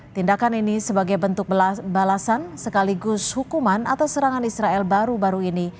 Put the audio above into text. tindakan ini sebagai bentuk balasan sekaligus hukuman atas serangan israel baru baru ini